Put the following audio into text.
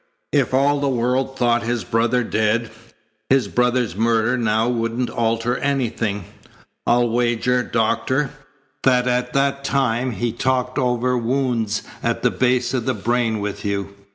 If all the world thought his brother dead, his brother's murder now wouldn't alter anything. I'll wager, Doctor, that at that time he talked over wounds at the base of the brain with you."